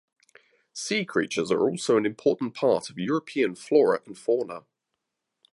Sea creatures are also an important part of European flora and fauna.